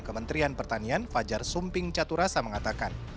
kementerian pertanian fajar sumping caturasa mengatakan